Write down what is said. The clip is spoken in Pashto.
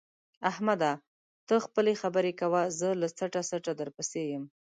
احمده! ته خپلې خبرې کوه زه له څټه څټه درپسې یم.